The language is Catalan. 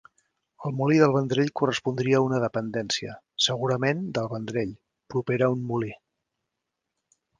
El molí del Vendrell correspondria a una dependència, segurament del Vendrell, propera a un molí.